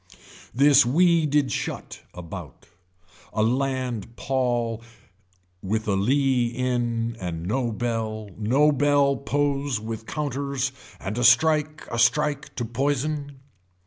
This wee did shut, about. A land paul with a lea in and no bell no bell pose with counters and a strike a strike to poison.